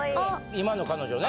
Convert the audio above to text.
今の彼女ね。